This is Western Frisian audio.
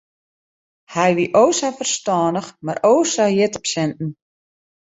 Hy wie o sa ferstannich mar o sa hjit op sinten.